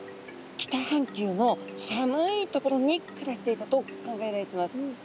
北半球の寒い所に暮らしていたと考えられてます。